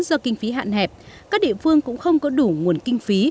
do kinh phí hạn hẹp các địa phương cũng không có đủ nguồn kinh phí